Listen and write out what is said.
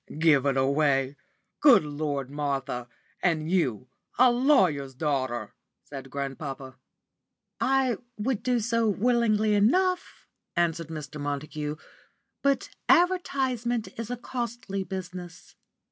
"Give it away! Good Lord, Martha and you a lawyer's daughter!" said grandpapa. "I would do so willingly enough," answered Mr. Montague, "but advertisement is a costly business.